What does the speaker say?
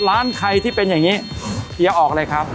ร้านใครที่เป็นอย่างนี้เฮียออกเลยครับ